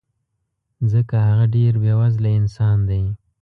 ځکه هغه ډېر بې وزله انسان دی